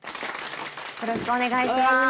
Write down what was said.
よろしくお願いします。